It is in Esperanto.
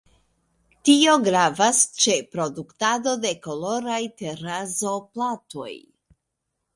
Tio gravas ĉe produktado de koloraj terrazzo-platoj.